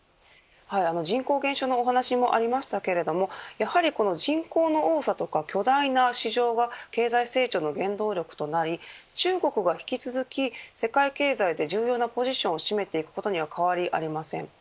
人口減少のお話にもありましたけどもやはりこの、人口の多さとか巨大な市場が経済成長の原動力となり中国が引き続き世界経済で重要なポジションを占めていくことには変わりありません。